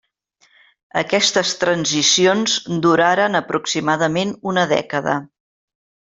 Aquestes transicions duraren aproximadament una dècada.